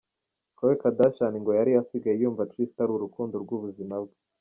Khloe Kardashian ngo yari asigaye yumva Tristan ari urukundo rw'ubuzima bwe.